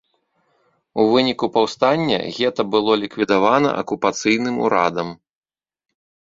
У выніку паўстання гета было ліквідавана акупацыйным урадам.